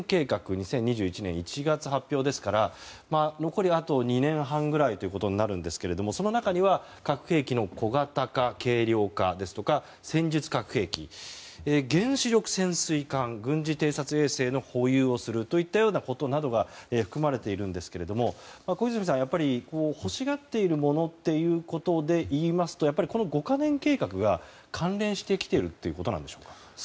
２０２１年１月の発表ですから残りあと２年半ぐらいということになるんですがその中には、核兵器の小型化・軽量化ですとか戦術核兵器、原子力潜水艦軍事偵察衛星の保有をするといったようなことなどが含まれていますが小泉さん、やはり欲しがっているものでいいますとこの５か年計画が関連してきているということですか。